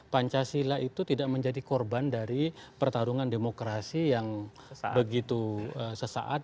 pancasila itu tidak menjadi korban dari pertarungan demokrasi yang begitu sesaat